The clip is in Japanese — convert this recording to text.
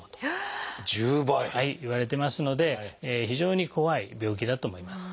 １０倍！いわれてますので非常に怖い病気だと思います。